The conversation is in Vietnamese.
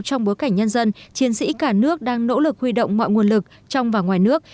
trong bối cảnh nhân dân chiến sĩ cả nước đang nỗ lực huy động mọi nguồn lực trong và ngoài nước